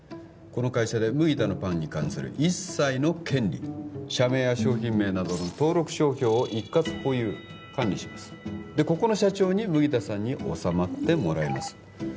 この会社で麦田のパンに関する一切の権利社名や商品名などの登録商標を一括保有管理しますでここの社長に麦田さんに収まってもらいます